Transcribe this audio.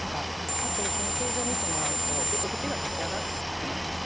あとこの形状見てもらうとちょっと縁が立ち上がってますよね。